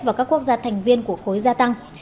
vào các quốc gia thành viên của khối gia tăng